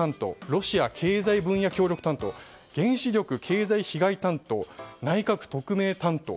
ロシア経済分野協力担当原子力経済被害担当内閣特命担当。